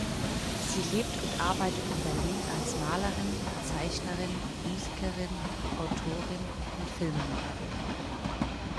Sie lebt und arbeitet in Berlin als Malerin, Zeichnerin, Musikerin, Autorin und Filmemacherin.